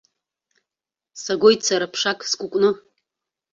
Сагоит сара ԥшак скәыкәны.